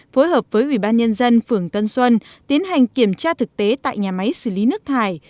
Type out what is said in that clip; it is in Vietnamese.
phối hợp với ủy ban nhân dân phường tân xuân tiến hành kiểm tra thực tế tại nhà máy xử lý nước thải